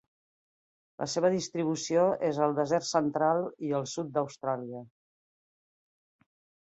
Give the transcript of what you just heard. La seva distribució és al desert central i el sud d'Austràlia.